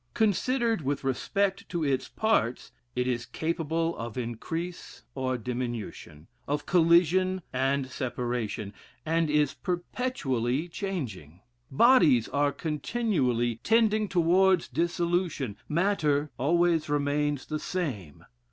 Considérée! with respect to its parts, it is capable of increase or diminution, of collision and separation, and is perpetually changing. Bodies are continually tending towards dissolution; matter always remains the same.